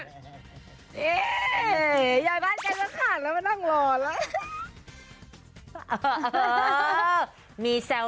นี่อย่าได้ใจจะขาดแล้วมานั่งรอแล้ว